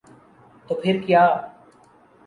تو پھر کیا؟